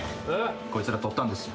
こいつらとったんですよ。